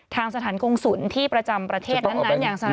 ทางสถานกงศุลที่ประจำประเทศนั้น